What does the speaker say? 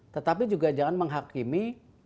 tetapi juga jangan menghakimi